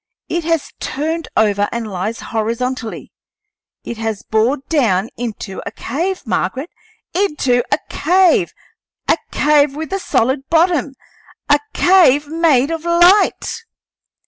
It has turned over, and lies horizontally; it has bored down into a cave, Margaret into a cave a cave with a solid bottom a cave made of light!"